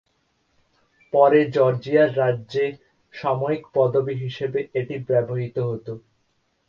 পরে জর্জিয়া রাজ্যে সামরিক পদবি হিসেবে এটি ব্যবহৃত হত।